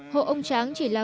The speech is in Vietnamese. hộ ông tráng chỉ là